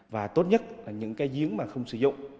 và tốt nhất là những cái giếng mà không sử dụng